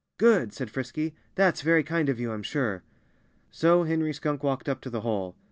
"Good!" said Frisky. "That's very kind of you, I'm sure." So Henry Skunk walked up to the hole.